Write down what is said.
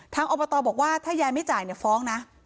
อบตบอกว่าถ้ายายไม่จ่ายเนี่ยฟ้องนะ